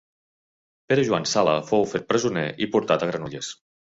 Pere Joan Sala fou fet presoner i portat a Granollers.